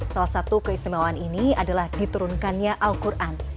salah satu keistimewaan ini adalah diturunkannya al quran